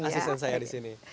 asisten saya di sini